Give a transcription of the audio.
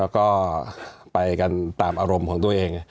แล้วก็ไปกันตามอารมณ์ของตัวเอง